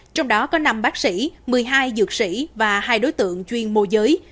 trong đó có năm bác sĩ một mươi hai dược sĩ và hai đối tượng chuyên mô giới